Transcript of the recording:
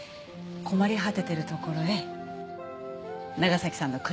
困り果ててるところへ長崎さんの車が。